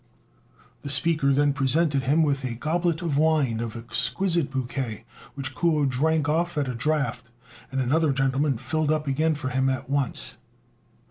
The speaker then presented him with a goblet of wine of exquisite bouquet, which Kuo drank off at a draught, and another gentleman filled up again for him at once.